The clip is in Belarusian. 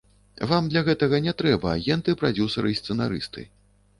Вам для гэтага не трэба агенты, прадзюсары і сцэнарысты.